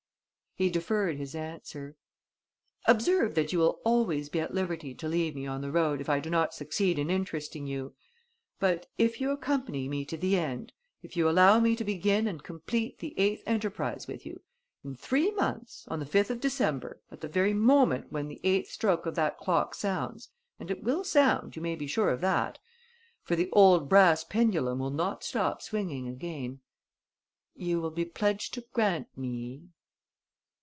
He deferred his answer: "Observe that you will always be at liberty to leave me on the road if I do not succeed in interesting you. But, if you accompany me to the end, if you allow me to begin and complete the eighth enterprise with you, in three months, on the 5th of December, at the very moment when the eighth stroke of that clock sounds and it will sound, you may be sure of that, for the old brass pendulum will not stop swinging again you will be pledged to grant me...."